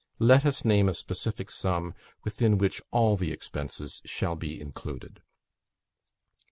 Let us name a specific sum, within which all expenses shall be included."